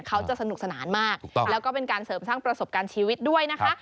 สนุกสนานมากแล้วก็เป็นการเสริมสร้างประสบการณ์ชีวิตด้วยนะคะ